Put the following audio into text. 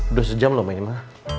udah sejam loh ini ma